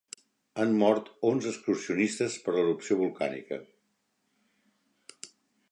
Han mort onze excursionistes per l'erupció d'un volcà